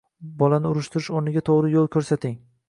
Bolani urushish o‘rniga to‘g‘ri yo‘l ko‘rsating